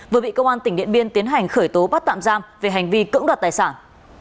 vừa bị công an tỉnh điện biên tiến hành khởi tố bắt tạm giam về hành vi cưỡng đoạt tài sản